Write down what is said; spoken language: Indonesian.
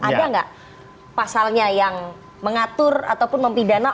ada nggak pasalnya yang mengatur ataupun mempidana